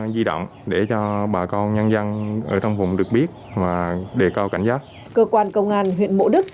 di động để cho bà con nhân dân ở trong vùng được biết và để cao cảnh giác cơ quan công an huyện mộ đức